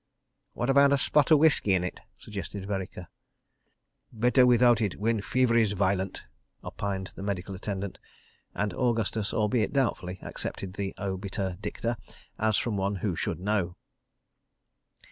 "What about a spot of whisky in it?" suggested Vereker. "Better without it when fever is violent," opined the medical attendant, and Augustus, albeit doubtfully, accepted the obiter dicta, as from one who should know.